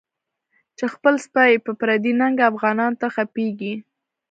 چی خپل سپی په پردی ننگه، افغانانوته غپیږی